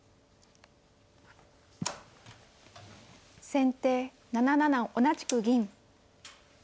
先手７七同じく銀。